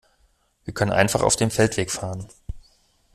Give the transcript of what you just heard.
Wir können einfach auf dem Feldweg fahren.